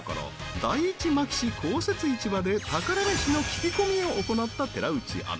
第一牧志公設市場で宝メシの聞き込みを行った寺内アナ。